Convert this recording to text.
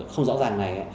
không rõ ràng này